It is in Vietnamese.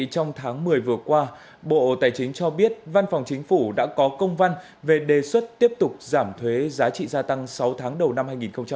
trong tháng một mươi vừa qua bộ tài chính cho biết văn phòng chính phủ đã có công văn về đề xuất tiếp tục giảm thuế giá trị gia tăng sáu tháng đầu năm hai nghìn hai mươi